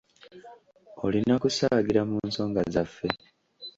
Olina kusaagira mu nsonga zaffe.